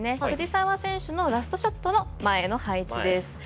藤澤選手のラストショットの前の配置です。